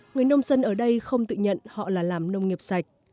người nông dân ở đây không tự nhận họ là làm nông nghiệp sạch